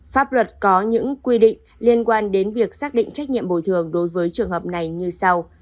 pháp luật có những quy định liên quan đến việc xác định trách nhiệm bồi thường đối với trường hợp này như sau